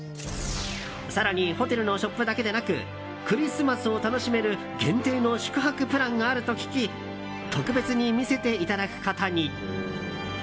更にホテルのショップだけでなくクリスマスを楽しめる限定の宿泊プランがあると聞き特別に見せていただくことに。